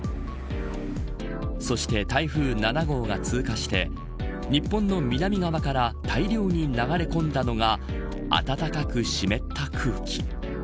そして台風７号が通過して日本の南側から大量に流れ込んだのが暖かく湿った空気。